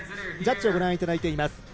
ジャッジをご覧いただいています。